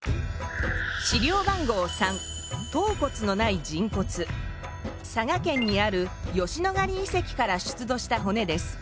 資料番号３佐賀県にある吉野ヶ里遺跡から出土した骨です。